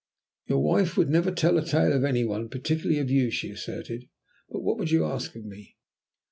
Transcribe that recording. "Your wife would never tell a tale of any one, particularly of you," she asserted. "But what would you ask of me?"